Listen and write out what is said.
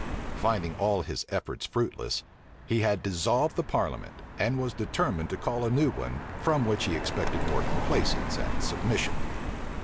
Finding all his efforts fruitless, he had dissolved the parliament, and was determined to call a new one, from which he expected more complaisance and submission.